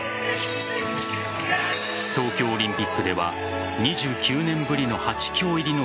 東京オリンピックでは２９年ぶりの８強入りの